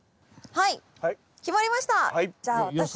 はい。